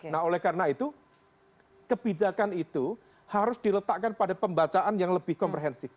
nah oleh karena itu kebijakan itu harus diletakkan pada pembacaan yang lebih komprehensif